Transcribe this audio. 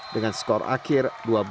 dengan skor akhir dua belas